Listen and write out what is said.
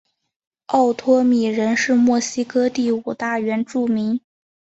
奥托米人是墨西哥第五大原住民。